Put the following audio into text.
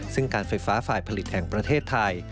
ซึ่งการไฟฟ้าฝ่ายผลิตแห่งประเทศไทย